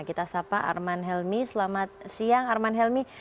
kita sapa arman helmi selamat siang arman helmi